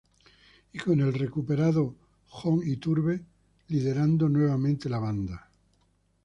Y con el recuperado Jon Iturbe liderando nuevamente la banda.